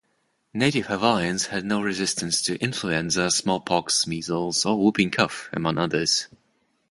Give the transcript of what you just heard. Native Hawaiians had no resistance to influenza, smallpox, measles, or whooping cough, among others.